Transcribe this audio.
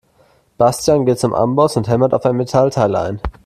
Bastian geht zum Amboss und hämmert auf ein Metallteil ein.